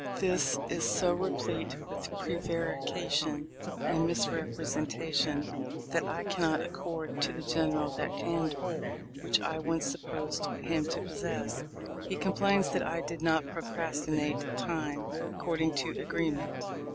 This is so replete with pre varication and misrepresentation, that I cannot accord to the General that candor which I once supposed him to possess. He complains that I did not procrastinate time according to agreement.